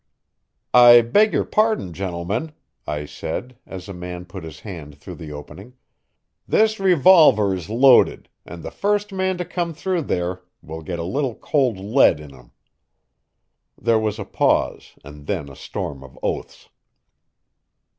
"I beg your pardon, gentlemen," I said, as a man put his hand through the opening. "This revolver is loaded, and the first man to come through there will get a little cold lead in him." There was a pause and then a storm of oaths.